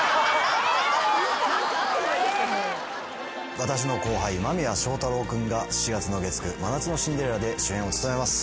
私の後輩間宮祥太朗君が７月の月９『真夏のシンデレラ』で主演を務めます。